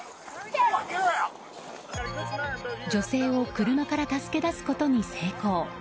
女性を車から助け出すことに成功。